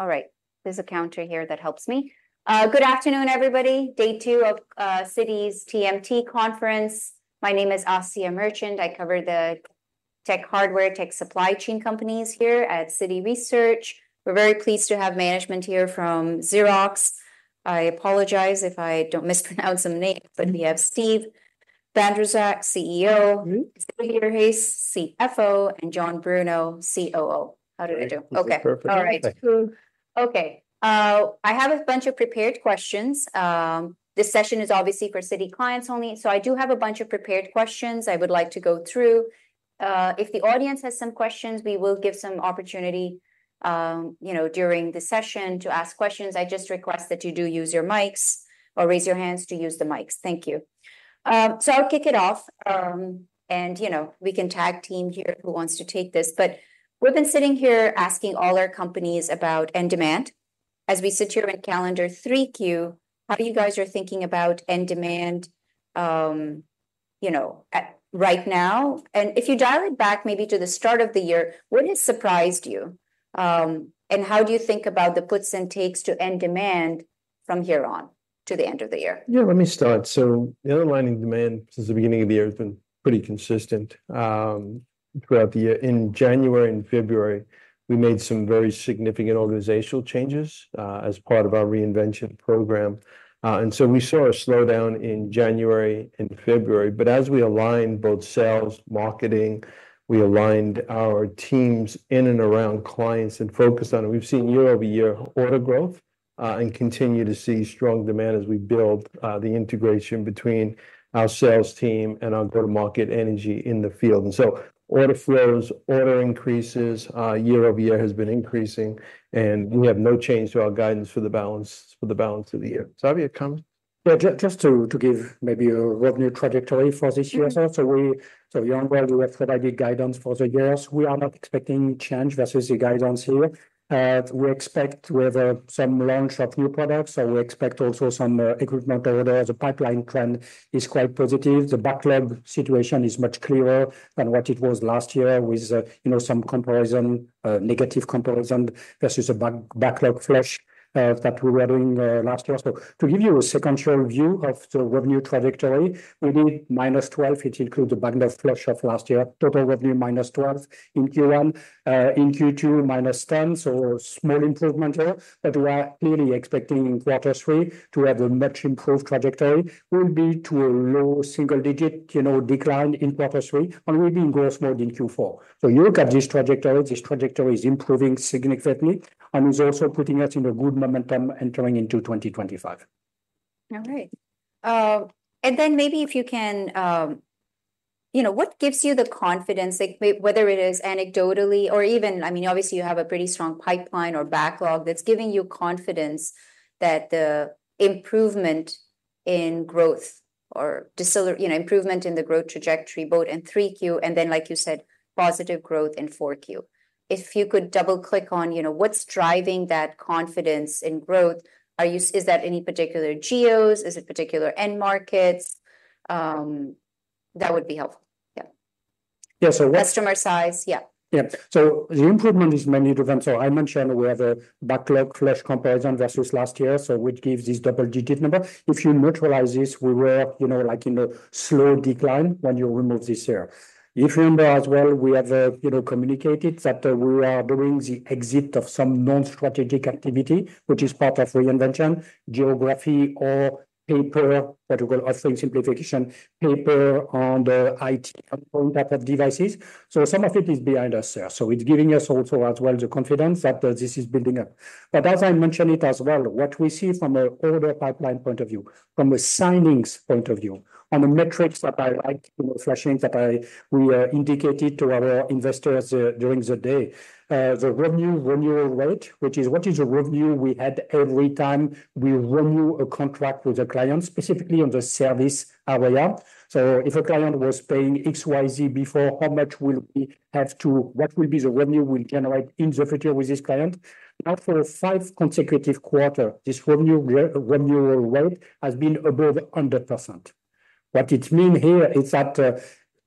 All right, there's a counter here that helps me. Good afternoon, everybody. Day two of Citi's TMT conference. My name is Asiya Merchant. I cover the tech hardware, tech supply chain companies here at Citi Research. We're very pleased to have management here from Xerox. I apologize if I don't mispronounce some names, but we have Steve Bandrowczak, CEO- Mm-hmm. Xavier Heiss, CFO, and John Bruno, COO. How did I do? Great. Okay. This is perfect. All right. Okay, I have a bunch of prepared questions. This session is obviously for Citi clients only, so I do have a bunch of prepared questions I would like to go through. If the audience has some questions, we will give some opportunity, you know, during the session to ask questions. I just request that you do use your mics or raise your hands to use the mics. Thank you, so I'll kick it off, and, you know, we can tag team here who wants to take this, but we've been sitting here asking all our companies about end demand. As we sit here in calendar 3Q, how you guys are thinking about end demand, you know, at right now, and if you dial it back maybe to the start of the year, what has surprised you? And how do you think about the puts and takes to end demand from here on to the end of the year? Yeah, let me start. So the underlying demand since the beginning of the year has been pretty consistent throughout the year. In January and February, we made some very significant organizational changes as part of our Reinvention program. And so we saw a slowdown in January and February, but as we aligned both sales, marketing, we aligned our teams in and around clients and focused on it. We've seen year-over-year order growth and continue to see strong demand as we build the integration between our sales team and our go-to-market energy in the field. And so order flows, order increases year-over-year has been increasing, and we have no change to our guidance for the balance of the year. Xavier, comment? Yeah, just to give maybe a revenue trajectory for this year as well. So you're aware we have provided guidance for the years. We are not expecting change versus the guidance here. We expect we have some launch of new products, so we expect also some equipment order. The pipeline trend is quite positive. The backlog situation is much clearer than what it was last year with, you know, some comparison, negative comparison versus a backlog flush that we were doing last year. So to give you a sequential view of the revenue trajectory, we did -12%, which includes the backlog flush of last year. Total revenue, -12% in Q1. In Q2, -10%, so small improvement there, but we are clearly expecting in quarter three to have a much improved trajectory, will be to a low single digit, you know, decline in quarter three, and we'll be in growth mode in Q4. So you look at this trajectory, this trajectory is improving significantly and is also putting us in a good momentum entering into 2025. All right. And then maybe if you can. You know, what gives you the confidence, like, whether it is anecdotally or even. I mean, obviously, you have a pretty strong pipeline or backlog that's giving you confidence that the improvement in growth. You know, improvement in the growth trajectory, both in 3Q, and then, like you said, positive growth in 4Q. If you could double-click on, you know, what's driving that confidence in growth, is that any particular geos? Is it particular end markets? That would be helpful. Yeah. Yeah, so we- Customer size? Yeah. Yeah. So the improvement is mainly driven, so I mentioned we have a backlog flush comparison versus last year, so which gives this double-digit number. If you neutralize this, we were, you know, like in a slow decline when you remove this here. If you remember as well, we have, you know, communicated that, we are doing the exit of some non-strategic activity, which is part of Reinvention, geography or paper, what we call offering simplification, paper on the IT type of devices. So some of it is behind us there. So it's giving us also as well the confidence that, this is building up. But as I mentioned it as well, what we see from an order pipeline point of view, from a signings point of view, on the metrics that I like, you know, flashing, that we indicated to our investors during the day. The revenue renewal rate, which is what is the revenue we had every time we renew a contract with a client, specifically on the service area. So if a client was paying XYZ before, what will be the revenue we'll generate in the future with this client? Now, for five consecutive quarter, this revenue renewal rate has been above 100%. What it mean here is that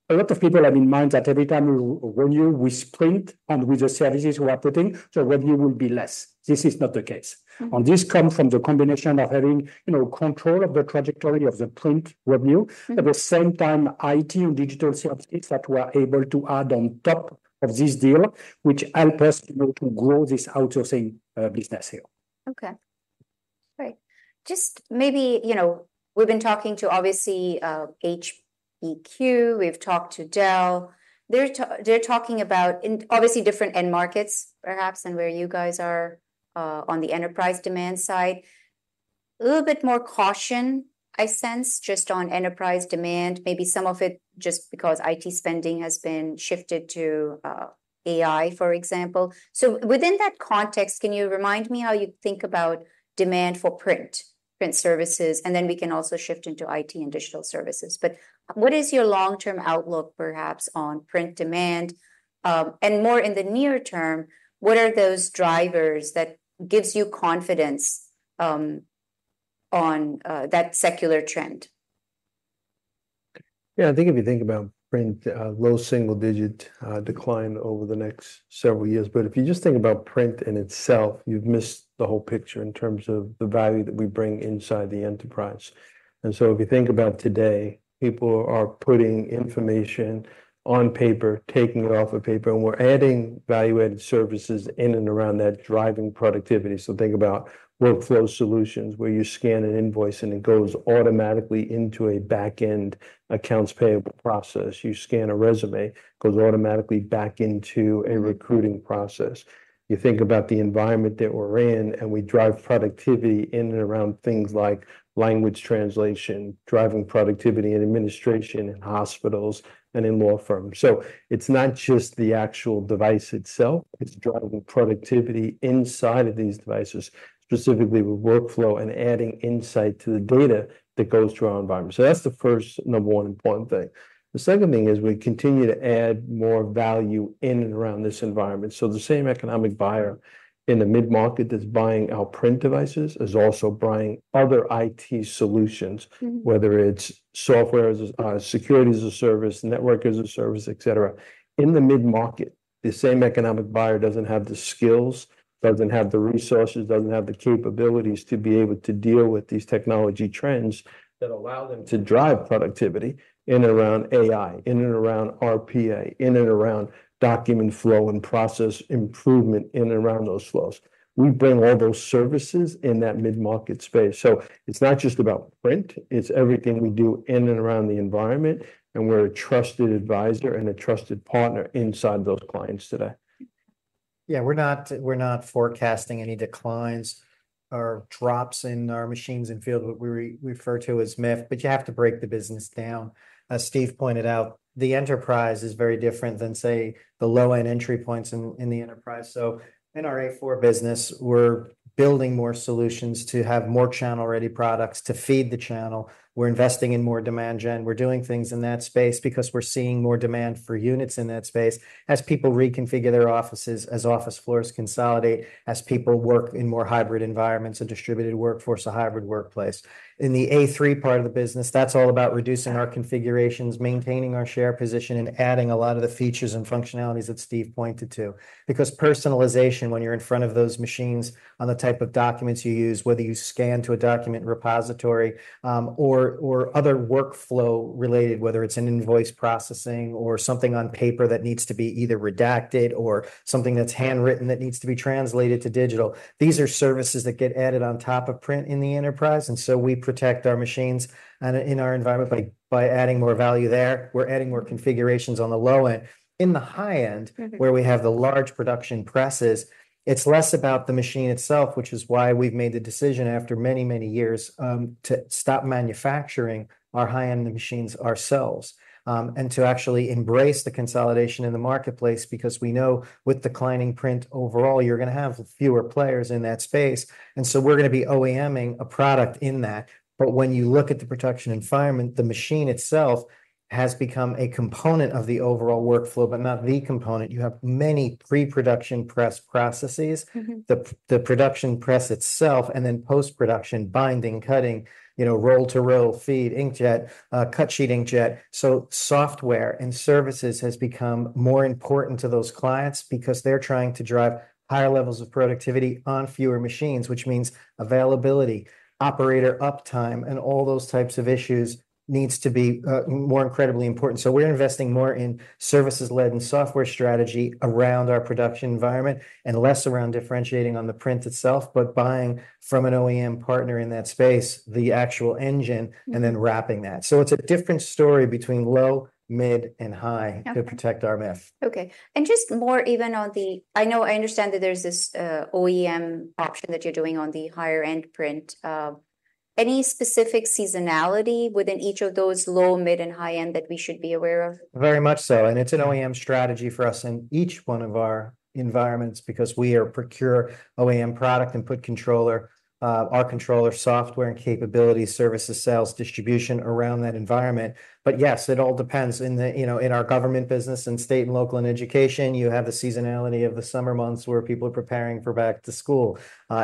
a lot of people have in mind that every time we renew with print and with the services we are putting, the revenue will be less. This is not the case. Mm-hmm. This come from the combination of having, you know, control of the trajectory of the print revenue. Mm-hmm. At the same time, IT and digital services that we are able to add on top of this deal, which help us, you know, to grow this outsourcing business here. Okay. Great. Just maybe, you know, we've been talking to, obviously, HP, we've talked to Dell. They're talking about, obviously, different end markets, perhaps, than where you guys are, on the enterprise demand side. A little bit more caution, I sense, just on enterprise demand, maybe some of it just because IT spending has been shifted to, AI, for example. So within that context, can you remind me how you think about demand for print, print services? And then we can also shift into IT and digital services. But what is your long-term outlook, perhaps, on print demand? And more in the near term, what are those drivers that gives you confidence, on, that secular trend? Yeah, I think if you think about print, low single-digit decline over the next several years. But if you just think about print in itself, you've missed the whole picture in terms of the value that we bring inside the enterprise. And so if you think about today, people are putting information on paper, taking it off of paper, and we're adding value-added services in and around that, driving productivity. So think about workflow solutions, where you scan an invoice, and it goes automatically into a back-end accounts payable process. You scan a resume, goes automatically back into a recruiting process. You think about the environment that we're in, and we drive productivity in and around things like language translation, driving productivity in administration, in hospitals, and in law firms. So it's not just the actual device itself, it's driving productivity inside of these devices, specifically with workflow and adding insight to the data that goes to our environment. So that's the first number one important thing. The second thing is we continue to add more value in and around this environment. So the same economic buyer in the mid-market that's buying our print devices is also buying other IT solutions- Mm-hmm. Whether it's software as a service, security as a service, network as a service, et cetera. In the mid-market, the same economic buyer doesn't have the skills, doesn't have the resources, doesn't have the capabilities to be able to deal with these technology trends that allow them to drive productivity in and around AI, in and around RPA, in and around document flow and process improvement, in and around those flows. We bring all those services in that mid-market space. So it's not just about print, it's everything we do in and around the environment, and we're a trusted advisor and a trusted partner inside those clients today. Yeah, we're not, we're not forecasting any declines or drops in our machines in field, what we refer to as MIF, but you have to break the business down. As Steve pointed out, the enterprise is very different than, say, the low-end entry points in, in the enterprise. So in our A4 business, we're building more solutions to have more channel-ready products to feed the channel. We're investing in more demand gen. We're doing things in that space because we're seeing more demand for units in that space as people reconfigure their offices, as office floors consolidate, as people work in more hybrid environments, a distributed workforce, a hybrid workplace. In the A3 part of the business, that's all about reducing our configurations, maintaining our share position, and adding a lot of the features and functionalities that Steve pointed to. Because personalization, when you're in front of those machines, on the type of documents you use, whether you scan to a document repository, or other workflow related, whether it's an invoice processing or something on paper that needs to be either redacted or something that's handwritten that needs to be translated to digital, these are services that get added on top of print in the enterprise, and so we protect our machines and in our environment by adding more value there. We're adding more configurations on the low end. In the high end- Mm-hmm... where we have the large production presses, it's less about the machine itself, which is why we've made the decision after many, many years to stop manufacturing our high-end machines ourselves, and to actually embrace the consolidation in the marketplace, because we know with declining print overall, you're gonna have fewer players in that space. And so we're gonna be OEM-ing a product in that. But when you look at the production environment, the machine itself has become a component of the overall workflow, but not the component. You have many pre-production press processes- Mm-hmm... the production press itself, and then post-production binding, cutting, you know, roll-to-roll feed, inkjet, cut-sheet inkjet. So software and services has become more important to those clients because they're trying to drive higher levels of productivity on fewer machines, which means availability, operator uptime, and all those types of issues needs to be more incredibly important. So we're investing more in services-led and software strategy around our production environment and less around differentiating on the print itself, but buying from an OEM partner in that space, the actual engine- Mm... and then wrapping that. So it's a different story between low, mid, and high- Okay. to protect our MIF. Okay. And just more even on the... I know, I understand that there's this, OEM option that you're doing on the higher-end print. Any specific seasonality within each of those low, mid, and high end that we should be aware of? Very much so, and it's an OEM strategy for us in each one of our environments because we procure OEM product and put controller, our controller software and capabilities, services, sales, distribution around that environment. But yes, it all depends. In the, you know, in our government business and state and local and education, you have the seasonality of the summer months, where people are preparing for back to school.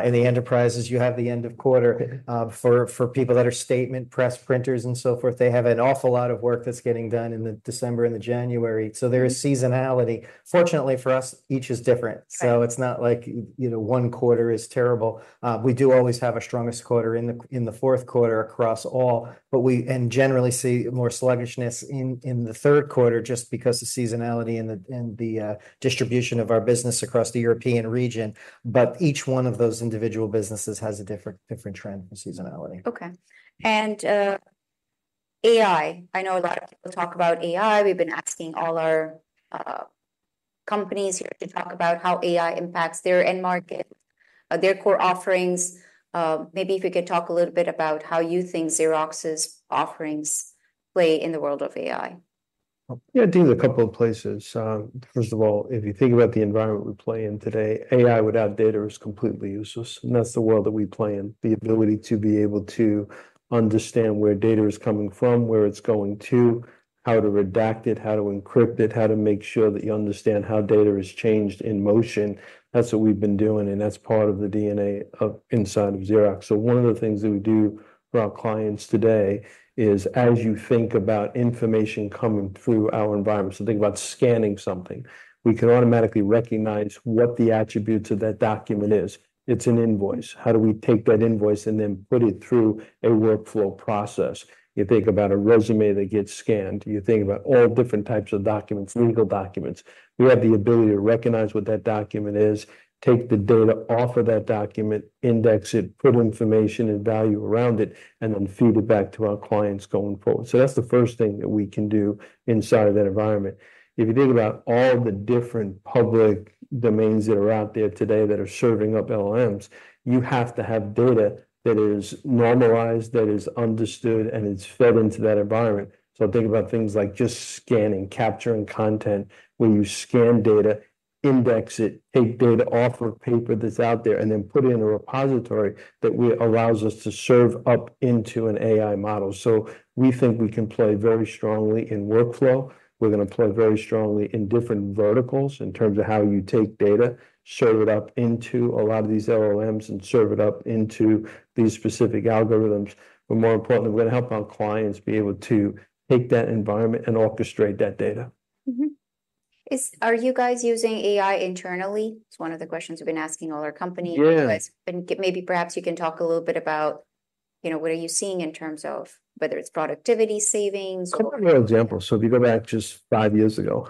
In the enterprises, you have the end of quarter, for people that are statement press printers and so forth. They have an awful lot of work that's getting done in the December and the January. So there is seasonality. Fortunately, for us, each is different. Right. So it's not like, you know, one quarter is terrible. We do always have our strongest quarter in the fourth quarter across all, but we and generally see more sluggishness in the third quarter just because of seasonality and the distribution of our business across the European region. But each one of those individual businesses has a different trend and seasonality. Okay. And, AI, I know a lot of people talk about AI. We've been asking all our companies here to talk about how AI impacts their end market, their core offerings. Maybe if you could talk a little bit about how you think Xerox's offerings play in the world of AI? Yeah, I think there's a couple of places. First of all, if you think about the environment we play in today, AI without data is completely useless, and that's the world that we play in. The ability to be able to understand where data is coming from, where it's going to, how to redact it, how to encrypt it, how to make sure that you understand how data is changed in motion, that's what we've been doing, and that's part of the DNA of inside of Xerox. So one of the things that we do for our clients today is, as you think about information coming through our environment, so think about scanning something, we can automatically recognize what the attributes of that document is. It's an invoice. How do we take that invoice and then put it through a workflow process? You think about a resume that gets scanned. You think about all different types of documents, legal documents. We have the ability to recognize what that document is, take the data off of that document, index it, put information and value around it, and then feed it back to our clients going forward. So that's the first thing that we can do inside of that environment. If you think about all the different public domains that are out there today that are serving up LLMs, you have to have data that is normalized, that is understood, and it's fed into that environment. So think about things like just scanning, capturing content. When you scan data, index it, take data off of paper that's out there, and then put it in a repository that allows us to serve up into an AI model. We think we can play very strongly in workflow. We're gonna play very strongly in different verticals in terms of how you take data, serve it up into a lot of these LLMs, and serve it up into these specific algorithms. More importantly, we're gonna help our clients be able to take that environment and orchestrate that data. Mm-hmm. Are you guys using AI internally? It's one of the questions we've been asking all our companies. Yeah. Maybe perhaps you can talk a little bit about, you know, what are you seeing in terms of whether it's productivity, savings or- A couple of examples, so if you go back just five years ago,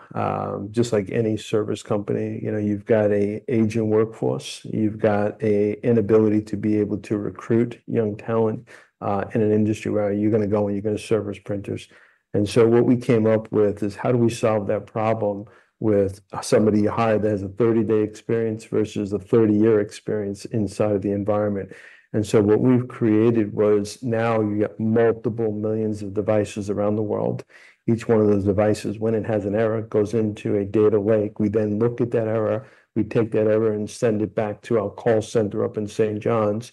just like any service company, you know, you've got an aging workforce, you've got an inability to be able to recruit young talent, in an industry where are you gonna go, and you're gonna service printers, and so what we came up with is: How do we solve that problem with somebody you hire that has a thirty-day experience versus a thirty-year experience inside of the environment, and so what we've created was, now you've got multiple millions of devices around the world. Each one of those devices, when it has an error, it goes into a data lake. We then look at that error. We take that error and send it back to our call center up in St. John's.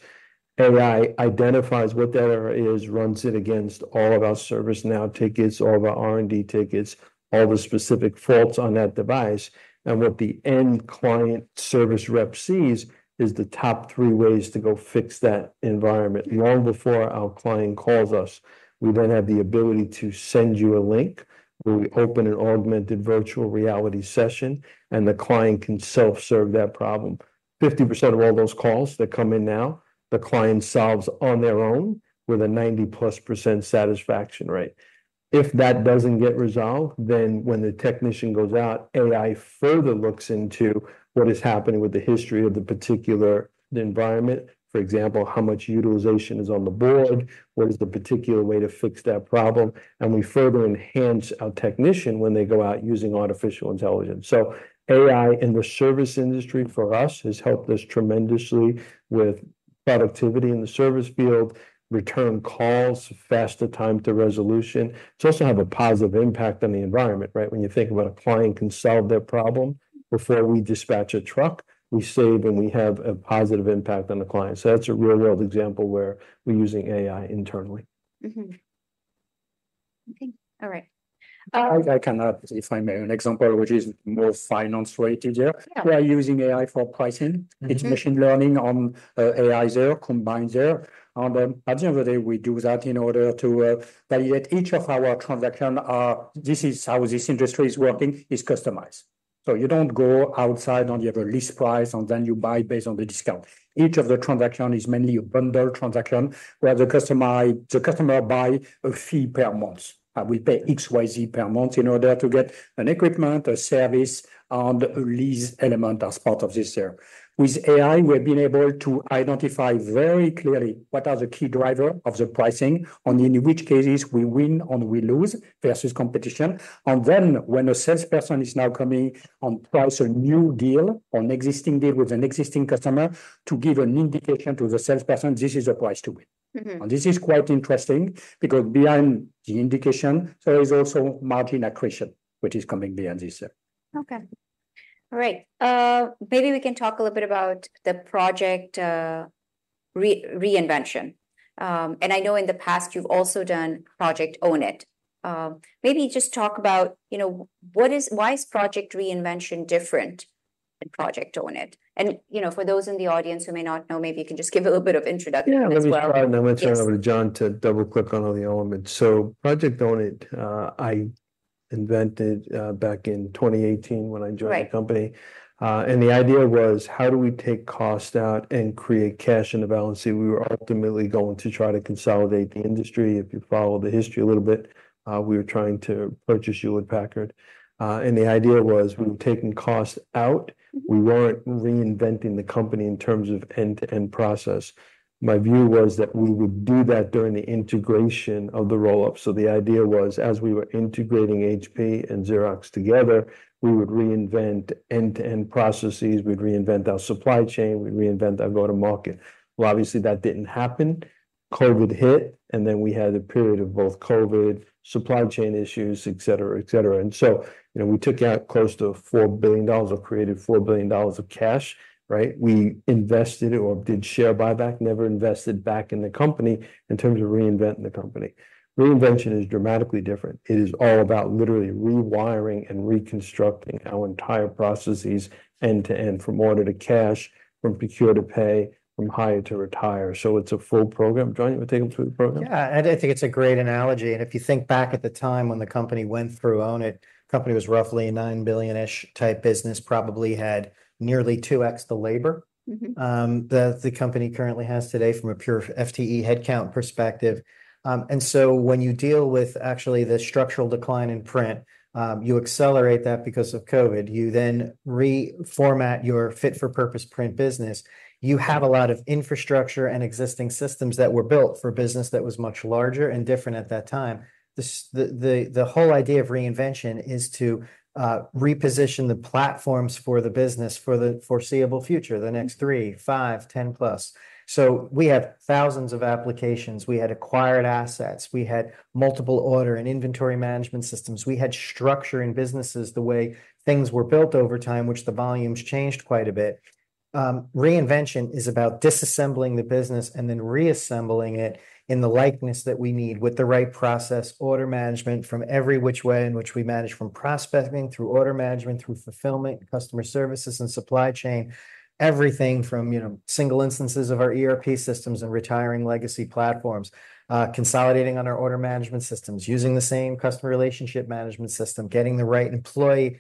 AI identifies what that error is, runs it against all of our ServiceNow tickets, all of our R&D tickets, all the specific faults on that device, and what the end client service rep sees is the top three ways to go fix that environment long before our client calls us. We then have the ability to send you a link, where we open an augmented virtual reality session, and the client can self-serve that problem. 50% of all those calls that come in now, the client solves on their own with a 90+% satisfaction rate. If that doesn't get resolved, then when the technician goes out, AI further looks into what is happening with the history of the particular environment. For example, how much utilization is on the board? What is the particular way to fix that problem? And we further enhance our technician when they go out using artificial intelligence. So AI in the service industry, for us, has helped us tremendously with productivity in the service field, return calls, faster time to resolution. It's also have a positive impact on the environment, right? When you think about a client can solve their problem before we dispatch a truck, we save, and we have a positive impact on the client. So that's a real-world example where we're using AI internally. Mm-hmm. Okay. All right, I can add, if I may, an example which is more finance related there. Yeah. We are using AI for pricing. Mm-hmm. It's machine learning on AI there, combined there. And then at the end of the day, we do that in order to validate each of our transaction. This is how this industry is working, is customized. So you don't go outside, and you have a list price, and then you buy based on the discount. Each of the transaction is mainly a bundle transaction, where the customer buy a fee per month. We pay Xerox per month in order to get an equipment, a service, and a lease element as part of this there. With AI, we've been able to identify very clearly what are the key driver of the pricing and in which cases we win and we lose versus competition. When a salesperson is now coming to price a new deal or existing deal with an existing customer, to give an indication to the salesperson this is the price to win. Mm-hmm. This is quite interesting because behind the indication, there is also margin accretion, which is coming behind this there. Okay. All right, maybe we can talk a little bit about the project, Reinvention. And I know in the past you've also done Project Own It. Maybe just talk about, you know, what is... Why is Project Reinvention different than Project Own It? And, you know, for those in the audience who may not know, maybe you can just give a little bit of introduction as well. Yeah, let me start. Yes. -and I'm gonna turn it over to John to double-click on all the elements. So Project Own It, I invented, back in 2018 when I joined- Right... the company. And the idea was, how do we take cost out and create cash in the balance sheet? We were ultimately going to try to consolidate the industry. If you follow the history a little bit, we were trying to purchase Hewlett-Packard. And the idea was we were taking cost out. We weren't reinventing the company in terms of end-to-end process. My view was that we would do that during the integration of the roll-up. So the idea was, as we were integrating HP and Xerox together, we would reinvent end-to-end processes. We'd reinvent our supply chain, we'd reinvent our go-to-market. Well, obviously, that didn't happen... COVID hit, and then we had a period of both COVID, supply chain issues, et cetera, et cetera. And so, you know, we took out close to $4 billion or created $4 billion of cash, right? We invested or did share buyback, never invested back in the company in terms of reinventing the company. Reinvention is dramatically different. It is all about literally rewiring and reconstructing our entire processes end-to-end, from order to cash, from procure to pay, from hire to retire. So it's a full program. John, you wanna take them through the program? Yeah, I think it's a great analogy, and if you think back at the time when the company went through Own It, company was roughly a nine billion-ish type business, probably had nearly 2x the labor- Mm-hmm... that the company currently has today from a pure FTE headcount perspective, and so when you deal with actually the structural decline in print, you accelerate that because of COVID. You then reformat your fit-for-purpose print business. You have a lot of infrastructure and existing systems that were built for business that was much larger and different at that time. The whole idea of Reinvention is to reposition the platforms for the business for the foreseeable future, the next three, five, ten plus. So we had thousands of applications, we had acquired assets, we had multiple order and inventory management systems. We had structure in businesses, the way things were built over time, which the volumes changed quite a bit. Reinvention is about disassembling the business and then reassembling it in the likeness that we need with the right process, order management from every which way in which we manage, from prospecting, through order management, through fulfillment, customer services, and supply chain. Everything from, you know, single instances of our ERP systems and retiring legacy platforms, consolidating on our order management systems, using the same customer relationship management system, getting the right employee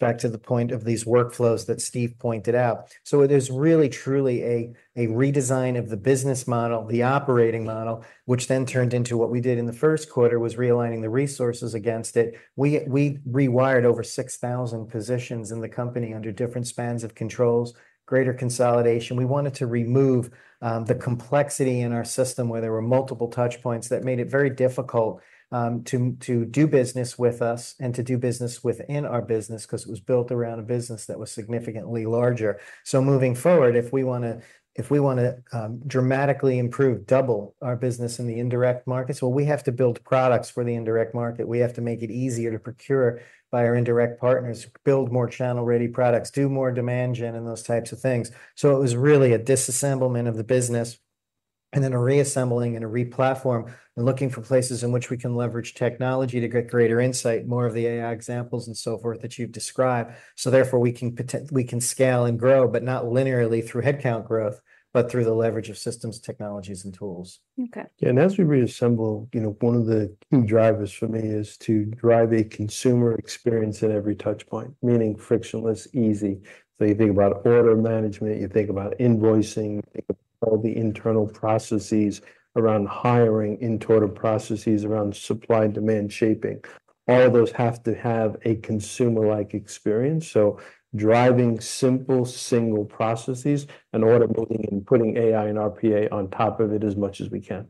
back to the point of these workflows that Steve pointed out. So it is really, truly a redesign of the business model, the operating model, which then turned into what we did in the first quarter, was realigning the resources against it. We rewired over six thousand positions in the company under different spans of controls, greater consolidation. We wanted to remove the complexity in our system, where there were multiple touch points that made it very difficult to do business with us and to do business within our business, 'cause it was built around a business that was significantly larger. So moving forward, if we wanna dramatically improve, double our business in the indirect markets, well, we have to build products for the indirect market. We have to make it easier to procure by our indirect partners, build more channel-ready products, do more demand gen and those types of things. So it was really a disassembling of the business, and then a reassembling and a re-platform, and looking for places in which we can leverage technology to get greater insight, more of the AI examples and so forth that you've described. Therefore, we can scale and grow, but not linearly through headcount growth, but through the leverage of systems, technologies, and tools. Okay. As we reassemble, you know, one of the key drivers for me is to drive a consumer experience at every touch point, meaning frictionless, easy, so you think about order management, you think about invoicing, you think about all the internal processes around hiring, internal processes around supply and demand shaping. All those have to have a consumer-like experience, so driving simple, single processes and automating and putting AI and RPA on top of it as much as we can.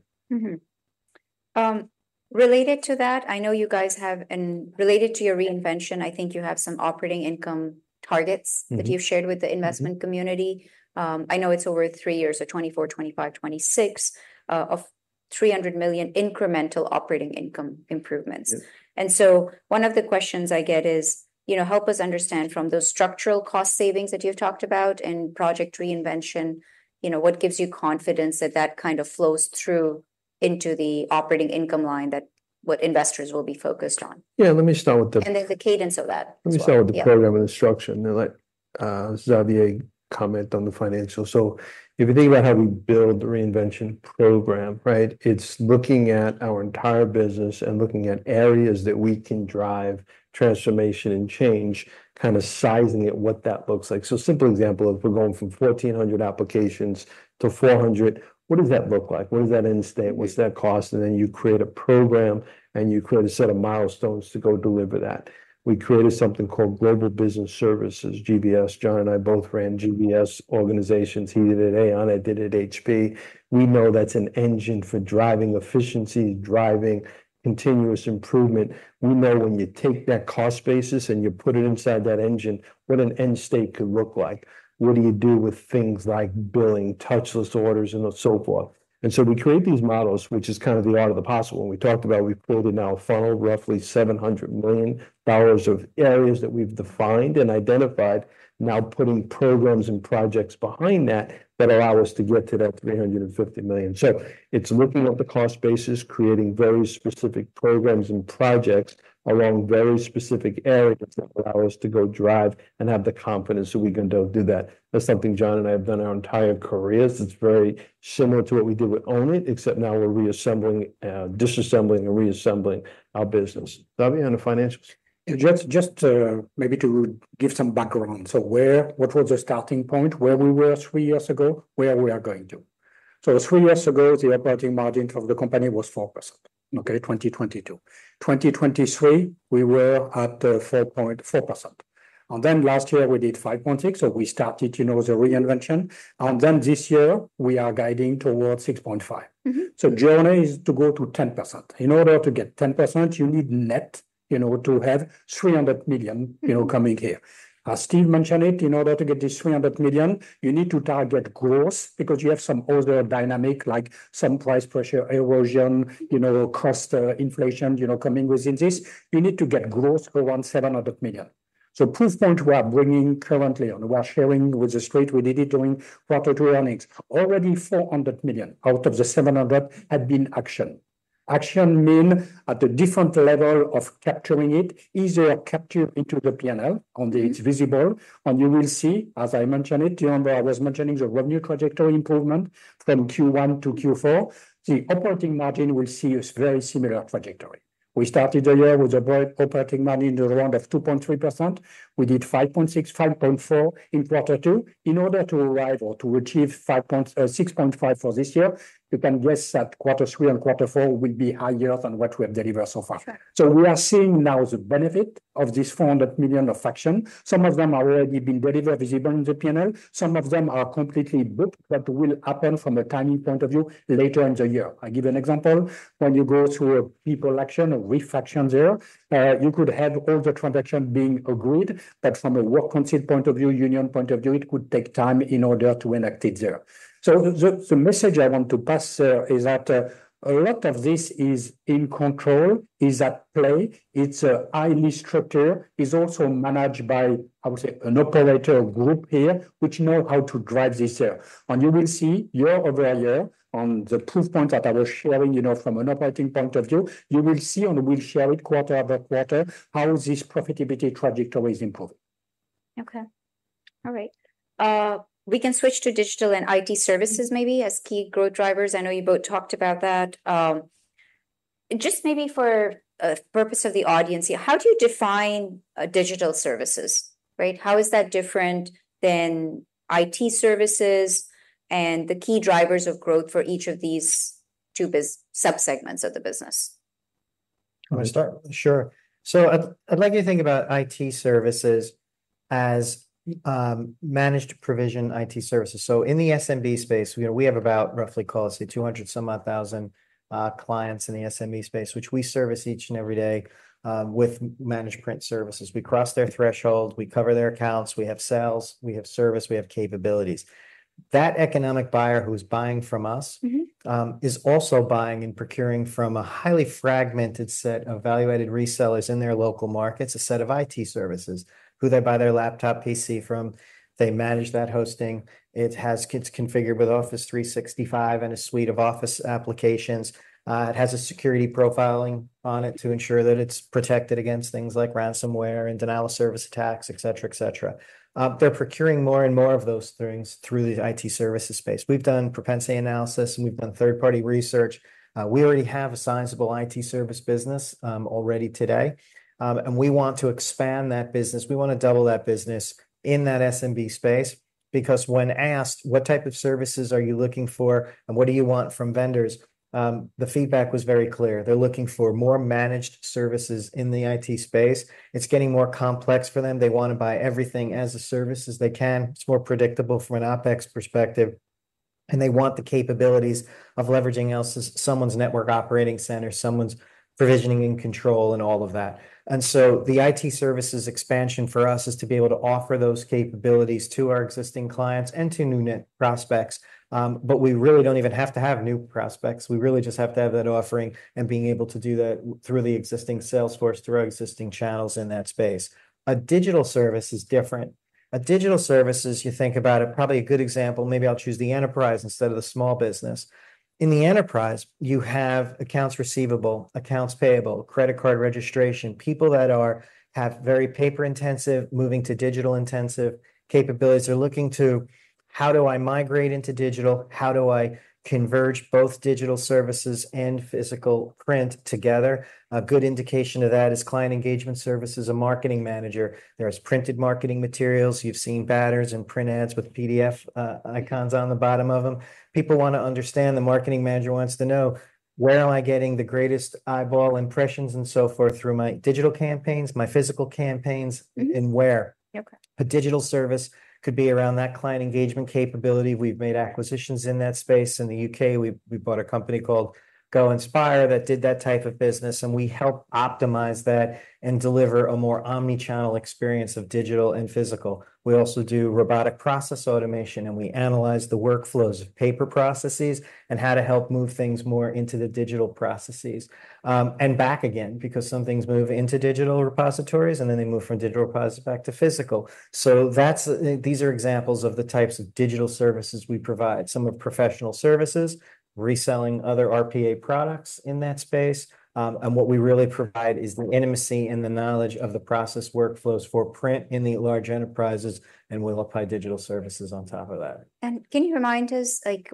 Related to that, I know you guys have... And related to your Reinvention, I think you have some operating income targets- Mm-hmm... that you've shared with the investment community. Mm-hmm. I know it's over three years, so 2024, 2025, 2026, of $300 million incremental operating income improvements. Yeah. One of the questions I get is, you know, help us understand from those structural cost savings that you've talked about and Project Reinvention, you know, what gives you confidence that that kind of flows through into the operating income line, that what investors will be focused on? Yeah, let me start with the- And then the cadence of that as well. Let me start with the program instruction, and let Xavier comment on the financial. So if you think about how we build the Reinvention program, right? It's looking at our entire business and looking at areas that we can drive transformation and change, kind of sizing it, what that looks like. So simple example, if we're going from 1,400 applications to 400, what does that look like? What is that end state? What's that cost? And then you create a program, and you create a set of milestones to go deliver that. We created something called Global Business Services, GBS. John and I both ran GBS organizations. He did at Aon. I did at HP. We know that's an engine for driving efficiency, driving continuous improvement. We know when you take that cost basis and you put it inside that engine, what an end state could look like. What do you do with things like billing, touchless orders, and so forth? And so we create these models, which is kind of the art of the possible, and we talked about, we've pulled in our funnel roughly $700 million of areas that we've defined and identified, now putting programs and projects behind that, that allow us to get to that $350 million. So it's looking at the cost basis, creating very specific programs and projects along very specific areas that allow us to go drive and have the confidence that we can go do that. That's something John and I have done our entire careers. It's very similar to what we did with Own It, except now we're reassembling, disassembling and reassembling our business. Xavier, on the financials? Just to maybe give some background. So what was the starting point, where we were three years ago, where we are going to? So three years ago, the operating margin of the company was 4%, okay, 2022. 2023, we were at 4.4%. And then last year, we did 5.6%, so we started, you know, the Reinvention. And then this year, we are guiding towards 6.5%. Mm-hmm. So the journey is to go to 10%. In order to get 10%, you need net, you know, to have $300 million- Mm... you know, coming here. As Steve mentioned it, in order to get this $300 million, you need to target growth because you have some other dynamic, like some price pressure, erosion, you know, cost, inflation, you know, coming within this. You need to get growth around $700 million.... So proof point we are bringing currently on, we are sharing with the street, we did it during quarter two earnings. Already $400 million out of the $700 million had been actioned. Action mean at a different level of capturing it, easier capture into the PNL on the- it's visible, and you will see, as I mentioned it, you know, I was mentioning the revenue trajectory improvement from Q1 to Q4. The operating margin will see a very similar trajectory. We started the year with a very operating margin in the round of 2.3%. We did 5.6, 5.4 in quarter two. In order to arrive or to achieve 5.65 for this year, you can rest that quarter three and quarter four will be higher than what we have delivered so far. Okay. So we are seeing now the benefit of this $400 million of action. Some of them are already been very visible in the PNL. Some of them are completely booked, but will happen from a timing point of view later in the year. I give you an example. When you go through a people action, a reduction there, you could have all the transaction being agreed, but from a works council point of view, union point of view, it could take time in order to enact it there. So the message I want to pass is that a lot of this is in control, is at play. It's highly structured, is also managed by, I would say, an operator group here, which know how to drive this here. You will see year-over-year on the proof point that I was sharing, you know, from an operating point of view, you will see, and we'll share it quarter-over-quarter, how this profitability trajectory is improving. Okay. All right. We can switch to digital and IT services maybe as key growth drivers. I know you both talked about that. Just maybe for purpose of the audience here, how do you define digital services, right? How is that different than IT services and the key drivers of growth for each of these two business sub-segments of the business? You want me to start? Sure. So I'd like you to think about IT services as managed provision IT services. So in the SMB space, you know, we have about roughly call it, say, two hundred somewhat thousand clients in the SMB space, which we service each and every day with managed print services. We cross their threshold, we cover their accounts, we have sales, we have service, we have capabilities. That economic buyer who is buying from us- Mm-hmm... is also buying and procuring from a highly fragmented set of evaluated resellers in their local markets, a set of IT services, who they buy their laptop PC from. They manage that hosting. It has kits configured with Office 365 and a suite of Office applications. It has a security profiling on it to ensure that it's protected against things like ransomware and denial of service attacks, et cetera, et cetera. They're procuring more and more of those things through the IT services space. We've done propensity analysis, and we've done third-party research. We already have a sizable IT service business, already today, and we want to expand that business. We want to double that business in that SMB space, because when asked, "What type of services are you looking for, and what do you want from vendors?" the feedback was very clear. They're looking for more managed services in the IT space. It's getting more complex for them. They want to buy everything as a service as they can. It's more predictable from an OpEx perspective, and they want the capabilities of leveraging someone's network operating center, someone's provisioning and control, and all of that, and so the IT services expansion for us is to be able to offer those capabilities to our existing clients and to net new prospects, but we really don't even have to have new prospects. We really just have to have that offering and being able to do that through the existing sales force, through our existing channels in that space. A digital service is different. A digital service, as you think about it, probably a good example, maybe I'll choose the enterprise instead of the small business. In the enterprise, you have accounts receivable, accounts payable, credit card registration, people that are... have very paper-intensive, moving to digital-intensive capabilities. They're looking to, "How do I migrate into digital? How do I converge both digital services and physical print together?" A good indication of that is client engagement services, a marketing manager. There's printed marketing materials. You've seen banners and print ads with PDF icons on the bottom of them. People want to understand, the marketing manager wants to know: Where am I getting the greatest eyeball impressions and so forth through my digital campaigns, my physical campaigns- Mm-hmm... and where? Okay. A digital service could be around that client engagement capability. We've made acquisitions in that space. In the UK, we bought a company called Go Inspire that did that type of business, and we help optimize that and deliver a more omni-channel experience of digital and physical. We also do robotic process automation, and we analyze the workflows of paper processes and how to help move things more into the digital processes, and back again, because some things move into digital repositories, and then they move from digital repositories back to physical. So that's these are examples of the types of digital services we provide. Some are professional services, reselling other RPA products in that space, and what we really provide is the intimacy and the knowledge of the process workflows for print in the large enterprises, and we'll apply digital services on top of that. Can you remind us, like,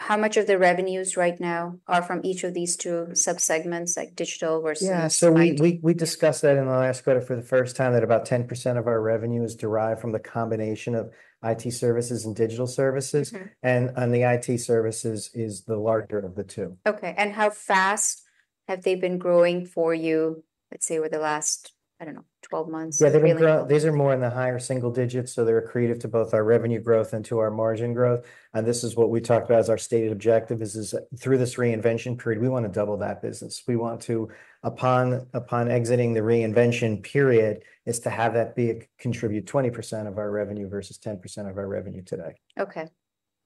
how much of the revenues right now are from each of these two sub-segments, like digital versus IT? Yeah. So we discussed that in the last quarter for the first time, that about 10% of our revenue is derived from the combination of IT services and digital services. Mm-hmm. On the IT services is the larger of the two. Okay, and how fast have they been growing for you, let's say, over the last, I don't know, 12 months or really- Yeah, they've been. These are more in the higher single digits, so they're accretive to both our revenue growth and to our margin growth. And this is what we talked about as our stated objective is through this Reinvention period, we want to double that business. We want to, upon exiting the Reinvention period, is to have that be, contribute 20% of our revenue versus 10% of our revenue today. Okay.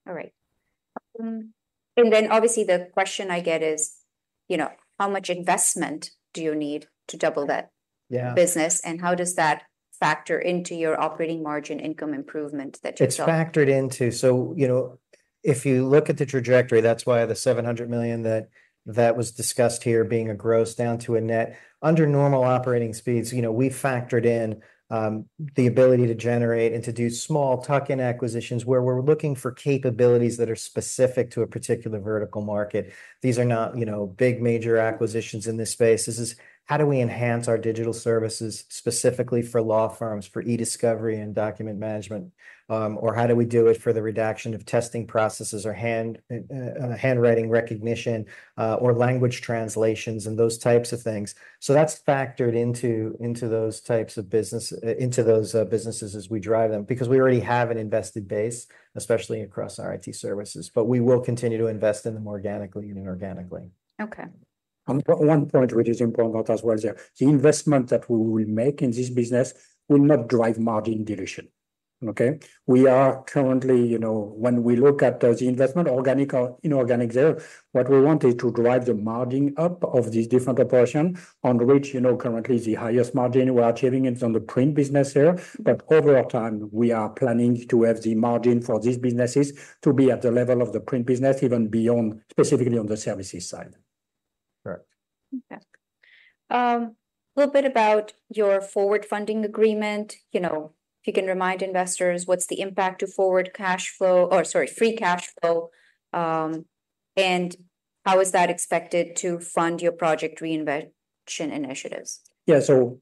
All right. And then obviously the question I get is, you know, how much investment do you need to double that- Yeah - business, and how does that factor into your operating margin income improvement that you saw? It's factored into. So, you know, if you look at the trajectory, that's why the $700 million that was discussed here being a gross down to a net. Under normal operating speeds, you know, we factored in the ability to generate and to do small tuck-in acquisitions, where we're looking for capabilities that are specific to a particular vertical market. These are not, you know, big, major acquisitions in this space. This is how do we enhance our digital services specifically for law firms, for e-discovery and document management? Or how do we do it for the redaction of testing processes or handwriting recognition, or language translations, and those types of things? So that's factored into those types of businesses as we drive them, because we already have an installed base, especially across our IT services. But we will continue to invest in them organically and inorganically. Okay. One point, which is important as well there, the investment that we will make in this business will not drive margin dilution. Okay? We are currently... You know, when we look at the investment, organic or inorganic there, what we want is to drive the margin up of these different operation on which, you know, currently the highest margin we're achieving is on the print business here. But over time, we are planning to have the margin for these businesses to be at the level of the print business, even beyond, specifically on the services side. Correct. Okay. A little bit about your forward flow agreement. You know, if you can remind investors what's the impact to free cash flow. Or sorry, free cash flow, and how is that expected to fund your Project Reinvention initiatives? Yeah. So,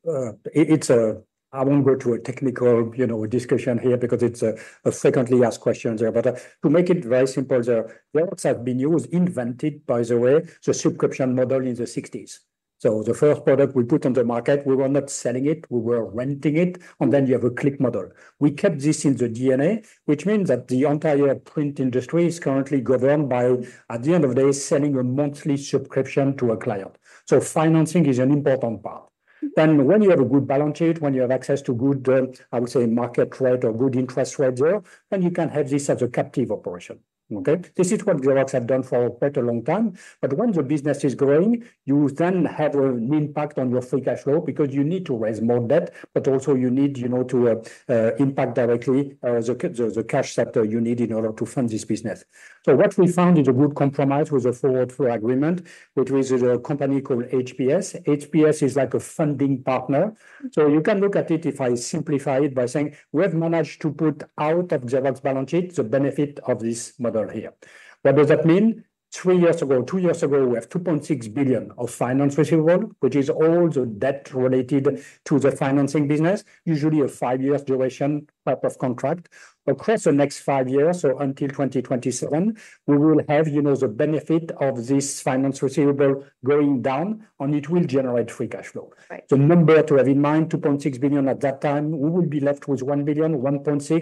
it's a-- I won't go through a technical, you know, discussion here because it's a frequently asked questions there. But, to make it very simple there, Xerox have been, it was invented, by the way, the subscription model in the '60s. So the first product we put on the market, we were not selling it, we were renting it, and then you have a click model. We kept this in the DNA, which means that the entire print industry is currently governed by, at the end of the day, selling a monthly subscription to a client. So financing is an important part. Then, when you have a good balance sheet, when you have access to good, I would say, market rate or good interest rate there, then you can have this as a captive operation. Okay? This is what Xerox have done for quite a long time. But when the business is growing, you then have an impact on your free cash flow because you need to raise more debt, but also you need, you know, to impact directly the cash sector you need in order to fund this business. So what we found is a good compromise with a forward flow agreement, which is a company called HPS. HPS is like a funding partner. So you can look at it, if I simplify it, by saying we have managed to put out of Xerox balance sheet the benefit of this model here. What does that mean? Three years ago, two years ago, we have $2.6 billion of finance receivable, which is all the debt related to the financing business, usually a five-year duration type of contract. Across the next five years, so until 2027, we will have, you know, the benefit of this finance receivable going down, and it will generate free cash flow. Right. The number to have in mind, $2.6 billion at that time, we will be left with $1 billion, $1.6 billion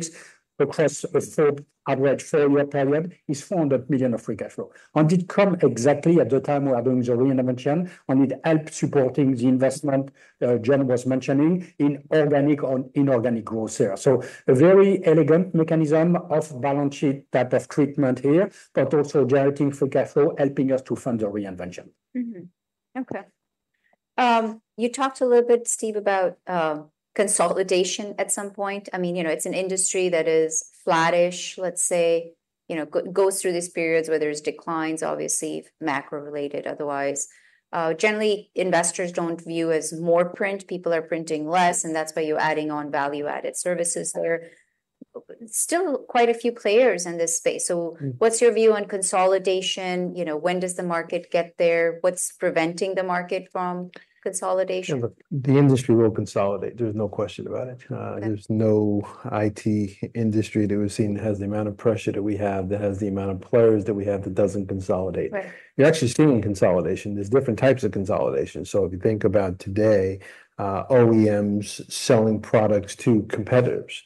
across a full average four-year period is $400 million of free cash flow, and it come exactly at the time we are doing the Reinvention, and it help supporting the investment, John was mentioning in organic or inorganic growth here, so a very elegant mechanism of balance sheet type of treatment here, but also generating free cash flow, helping us to fund the Reinvention. Mm-hmm. Okay. You talked a little bit, Steve, about consolidation at some point. I mean, you know, it's an industry that is flattish, let's say. You know, goes through these periods where there's declines, obviously, macro-related otherwise. Generally, investors don't view as more print. People are printing less, and that's why you're adding on value-added services there. Still quite a few players in this space. So what's your view on consolidation? You know, when does the market get there? What's preventing the market from consolidation? Yeah, look, the industry will consolidate. There's no question about it. Okay. There's no IT industry that we've seen that has the amount of pressure that we have, that has the amount of players that we have, that doesn't consolidate. Right. You're actually seeing consolidation. There's different types of consolidation. So if you think about today, OEMs selling products to competitors-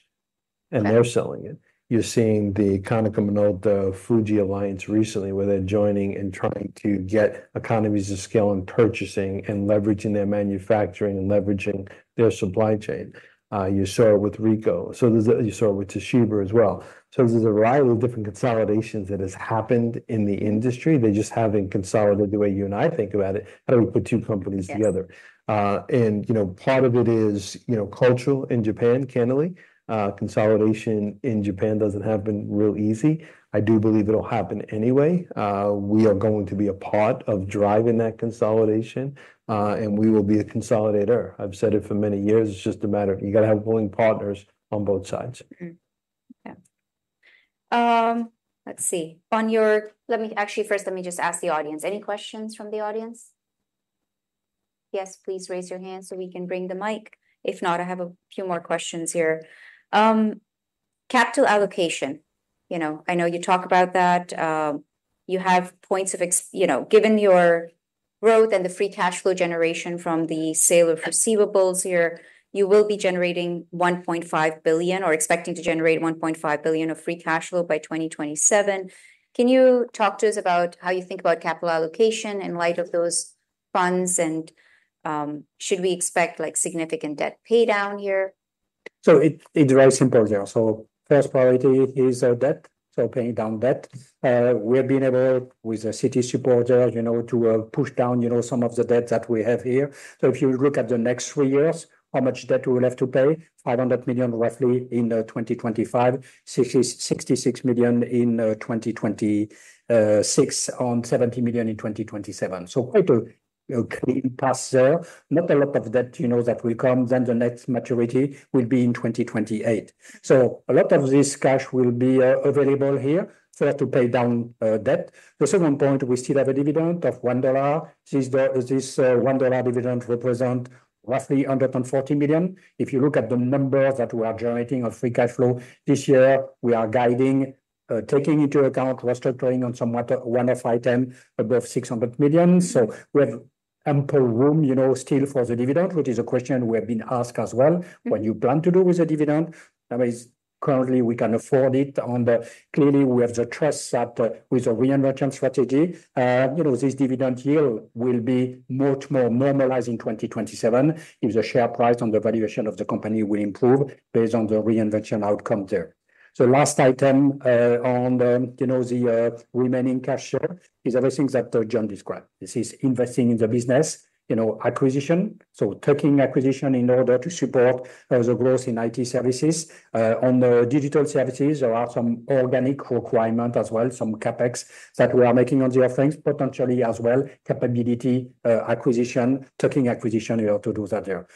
Right... and they're selling it. You're seeing the Konica Minolta, Fuji alliance recently, where they're joining and trying to get economies of scale in purchasing and leveraging their manufacturing and leveraging their supply chain. You saw it with Ricoh, so there's... You saw it with Toshiba as well. So there's a variety of different consolidations that has happened in the industry. They just haven't consolidated the way you and I think about it, how do we put two companies together? Yes. And, you know, part of it is, you know, cultural in Japan, candidly. Consolidation in Japan doesn't happen real easy. I do believe it'll happen anyway. We are going to be a part of driving that consolidation, and we will be a consolidator. I've said it for many years. It's just a matter of you gotta have willing partners on both sides. Mm-hmm. Yeah. Let's see. Actually, first, let me just ask the audience. Any questions from the audience? Yes, please raise your hand so we can bring the mic. If not, I have a few more questions here. Capital allocation, you know, I know you talk about that. You know, given your growth and the free cash flow generation from the sale of receivables here, you will be generating $1.5 billion or expecting to generate $1.5 billion of free cash flow by 2027. Can you talk to us about how you think about capital allocation in light of those funds? And, should we expect, like, significant debt paydown here? So it, it's very simple there. So first priority is debt, so paying down debt. We have been able, with Citi's support, you know, to push down, you know, some of the debt that we have here. So if you look at the next three years, how much debt we will have to pay? Roughly $500 million in 2025, $66 million in 2026, and $70 million in 2027. So quite a clean pass there. Not a lot of debt, you know, that will come, then the next maturity will be in 2028. So a lot of this cash will be available here so as to pay down debt. The second point, we still have a dividend of $1. This one dollar dividend represents roughly $140 million. If you look at the number that we are generating of free cash flow this year, we are guiding, taking into account restructuring on some one-off item above $600 million. So we have ample room, you know, still for the dividend, which is a question we have been asked as well, what you plan to do with the dividend? I mean, currently, we can afford it. Clearly, we have the trust that with the Reinvention strategy, you know, this dividend yield will be much more normalized in 2027, if the share price on the valuation of the company will improve based on the Reinvention outcome there. So last item, on the, you know, remaining cash here is everything that John described. This is investing in the business, you know, acquisition. Taking acquisition in order to support the growth in IT services. On the digital services, there are some organic requirement as well, some CapEx that we are making on the other things, potentially as well, capability acquisition, you know, to do that there.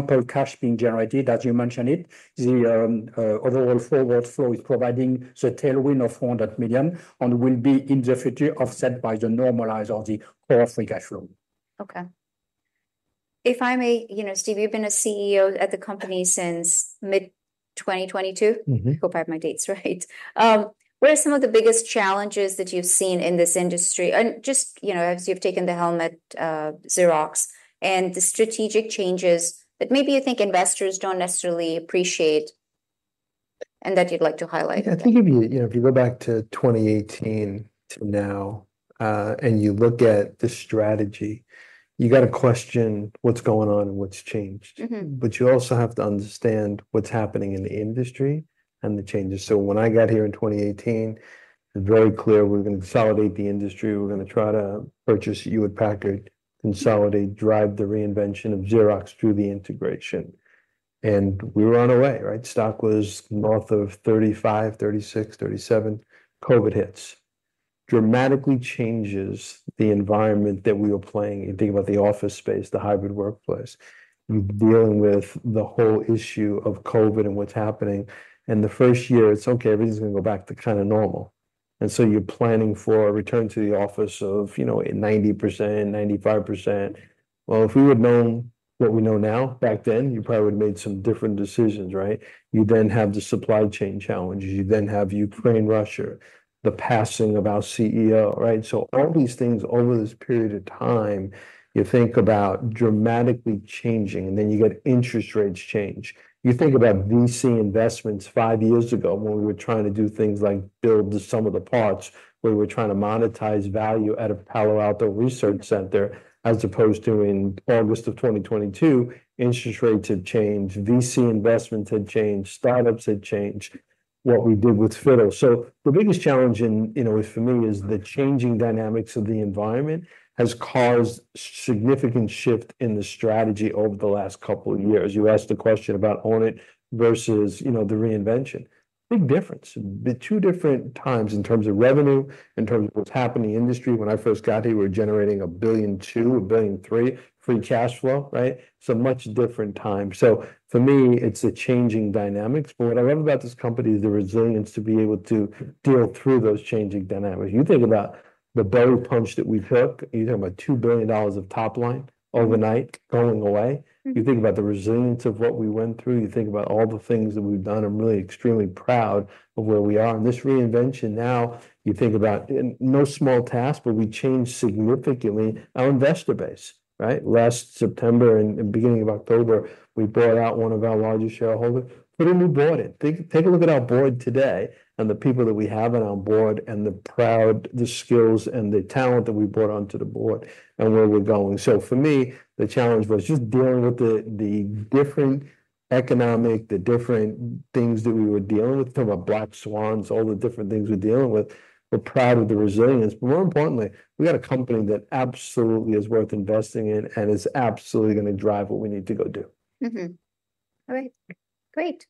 Ample cash being generated so far, as you mentioned it. The overall forward flow is providing the tailwind of $400 million and will be in the future, offset by the normalized of the core free cash flow. Okay. If I may, you know, Steve, you've been a CEO at the company since mid-2022? Mm-hmm. Hope I have my dates right. What are some of the biggest challenges that you've seen in this industry? And just, you know, as you've taken the helm at Xerox, and the strategic changes that maybe you think investors don't necessarily appreciate, and that you'd like to highlight. I think if you, you know, if you go back to 2018 to now, and you look at the strategy, you got to question what's going on and what's changed. Mm-hmm. But you also have to understand what's happening in the industry and the changes. So when I got here in twenty eighteen, it was very clear we were gonna consolidate the industry. We were gonna try to purchase Hewlett-Packard, consolidate, drive the Reinvention of Xerox through the integration, and we were on our way, right? Stock was north of $35, $36, $37. COVID hits. Dramatically changes the environment that we were playing in. Think about the office space, the hybrid workplace. You're dealing with the whole issue of COVID and what's happening. And the first year, it's: Okay, everything's gonna go back to kind of normal. And so you're planning for a return to the office of, you know, 90%-95%. Well, if we had known what we know now back then, you probably would've made some different decisions, right? You then have the supply chain challenges. You then have Ukraine, Russia, the passing of our CEO, right? So all these things over this period of time, you think about dramatically changing, and then you get interest rates change. You think about VC investments five years ago, when we were trying to do things like build some of the parts, where we were trying to monetize value out of Palo Alto Research Center, as opposed to in August of 2022, interest rates had changed, VC investment had changed, startups had changed, what we did with Fiddler. So the biggest challenge in, you know, for me, is the changing dynamics of the environment has caused significant shift in the strategy over the last couple of years. You asked a question about Own It versus, you know, the Reinvention. Big difference. The two different times in terms of revenue, in terms of what's happened in the industry. When I first got here, we were generating $1.2 billion, $1.3 billion free cash flow, right? So much different time. So for me, it's the changing dynamics. But what I love about this company is the resilience to be able to deal through those changing dynamics. You think about the belly punch that we took. You're talking about $2 billion of top line overnight going away. You think about the resilience of what we went through. You think about all the things that we've done. I'm really extremely proud of where we are in this Reinvention. Now, you think about. And no small task, but we changed significantly our investor base, right? Last September and beginning of October, we bought out one of our largest shareholder, put a new board in. Take a look at our board today and the people that we have on our board, and the pride, the skills, and the talent that we brought onto the board and where we're going. For me, the challenge was just dealing with the different economic, the different things that we were dealing with, talking about black swans, all the different things we're dealing with. We're proud of the resilience, but more importantly, we got a company that absolutely is worth investing in and is absolutely gonna drive what we need to go do. Mmm-hmm. All right, great.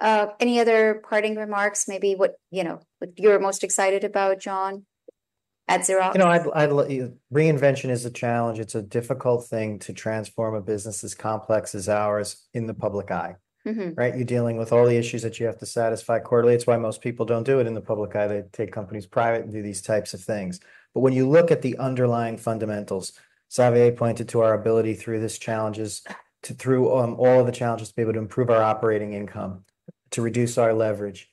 Any other parting remarks, maybe what, you know, what you're most excited about, John, at Xerox? You know, Reinvention is a challenge. It's a difficult thing to transform a business as complex as ours in the public eye. Mm-hmm. Right? You're dealing with all the issues that you have to satisfy quarterly. It's why most people don't do it in the public eye. They take companies private and do these types of things. But when you look at the underlying fundamentals, Xavier pointed to our ability through all of the challenges to be able to improve our operating income, to reduce our leverage,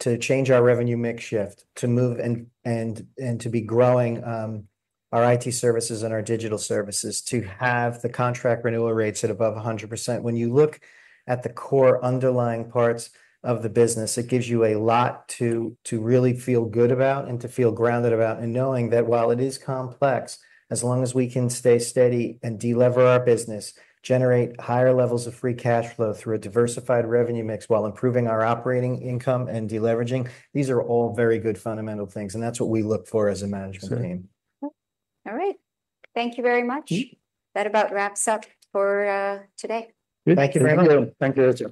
to change our revenue mix shift, to move and to be growing our IT services and our digital services, to have the contract renewal rates at above 100%. When you look at the core underlying parts of the business, it gives you a lot to really feel good about and to feel grounded about. Knowing that while it is complex, as long as we can stay steady and delever our business, generate higher levels of free cash flow through a diversified revenue mix, while improving our operating income and deleveraging, these are all very good fundamental things, and that's what we look for as a management team. All right. Thank you very much. Mm-hmm. That about wraps up for today. Thank you very much. Thank you, Jessica.